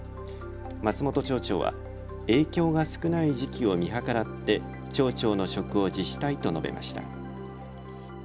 松本町長は影響が少ない時期を見計らって町長の職を辞したいと述べました。